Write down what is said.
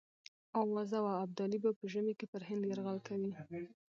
آوازه وه ابدالي به په ژمي کې پر هند یرغل کوي.